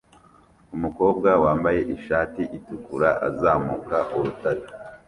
Umukobwa wambaye ishati itukura azamuka urutare